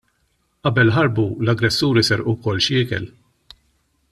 Qabel ħarbu, l-aggressuri serqu wkoll xi ikel.